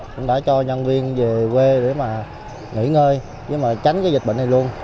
tôi đã cho nhân viên về quê để mà nghỉ ngơi chánh cái dịch bệnh này luôn